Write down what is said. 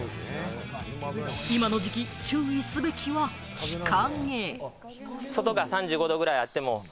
今の時期、注意すべきは日陰。